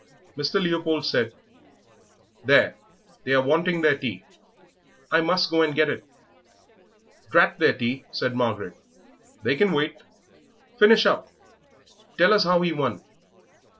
Mr. Leopold said, "There, they are wanting their tea; I must go and get it." "Drat their tea," said Margaret; "they can wait. Finish up; tell us how he won."